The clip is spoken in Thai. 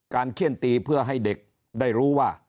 เขี้ยนตีเพื่อให้เด็กได้รู้ว่า